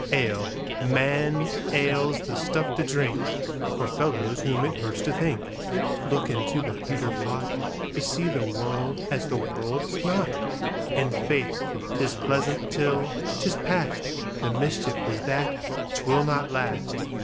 Ale, man, ale's the stuff to drinkFor fellows whom it hurts to think:Look into the pewter potTo see the world as the world's not. And faith, 'tis pleasant till 'tis past:The mischief is that 'twill not last.